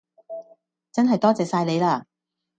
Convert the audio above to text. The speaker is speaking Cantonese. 真系多謝晒你啦